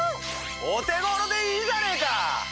お手頃でいいじゃねえか！